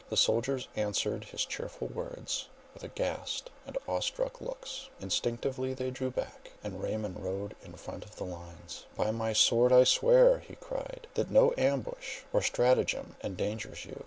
The soldiers answered his cheerful words with aghast and awe struck looks; instinctively they drew back, and Raymond rode in the front of the lines:—"By my sword I swear," he cried, "that no ambush or stratagem endangers you.